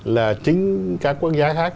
là chính các quốc gia khác